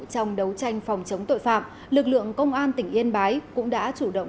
trong đấu tranh phòng chống tội phạm lực lượng công an tỉnh yên bái cũng đã chủ động